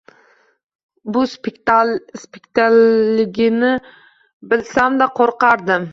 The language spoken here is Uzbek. Bu spektaklligini bilsam-da, qo‘rqardim.